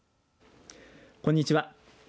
こんにちは。